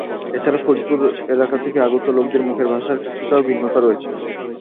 এছাড়া ফরিদপুর এলাকা থেকে আগত লোকদের মুখের ভাষার কিছুটা ভিন্নতা রয়েছে।